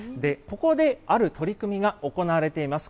ここである取り組みが行われています。